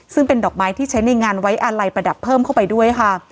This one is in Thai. ซึ่งเป็นดอกไม้ที่ใช้ในงานไว้อาลัยประดับเพิ่มเข้าไปด้วยค่ะ